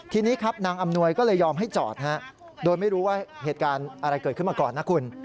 ทีนี้ครับนางอำนวยก็เลยยอมให้จอดโดยไม่รู้ว่าเหตุการณ์อะไรเกิดขึ้นมาก่อนนะคุณ